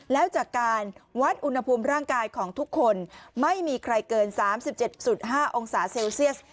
แล้วจากการวัดอุณหภูมิร่างกายของทุกคนไม่มีใครเกิน๓๗๕องศาเซลเซียส